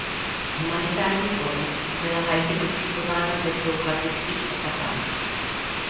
Humanitární pomoc byla Haiti poskytována ve dvou klasických etapách.